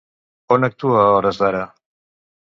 On actua a hores d'ara?